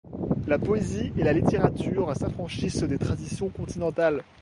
La poésie et la littérature s'affranchissent des traditions continentales.